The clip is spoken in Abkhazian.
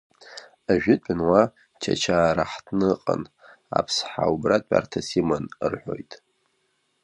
Ажәытәан уа Чачаа раҳҭны ыҟан, аԥсҳа убра тәарҭас иман, — рҳәоит.